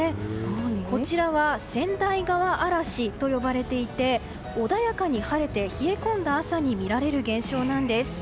こちらは川内川あらしと呼ばれていて穏やかに晴れて冷え込んだ朝に見られる現象なんです。